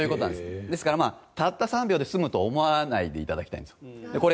ですから、たった３秒で済むと思わないでいただきたいんです。